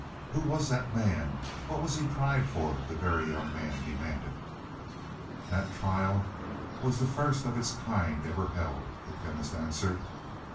"Who was the man? What was he tried for?" the Very Young Man demanded. "That trial was the first of its kind ever held," the Chemist answered.